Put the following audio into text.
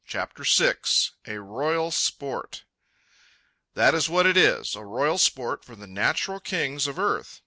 CHAPTER VI A ROYAL SPORT That is what it is, a royal sport for the natural kings of earth.